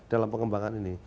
dalam pengembangan ini